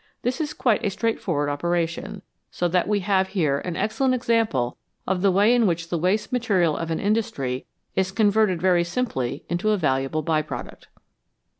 This is quite a straightforward operation, so that we have here an excellent example of the way in which the waste material of an industry is converted very simply into a valuable by product.